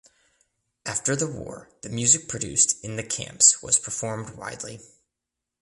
After the war the music produced in the camps was performed widely.